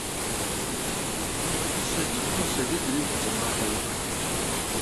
Фызыжь цӀыкӀум сабийр дунейм къытримыгъэхьэу ипӀырт.